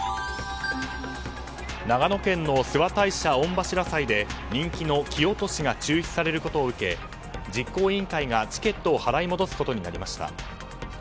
長野県の諏訪大社御柱祭で人気の木落しが中止されることを受け実行委員会がチケットを払い戻すことにしました。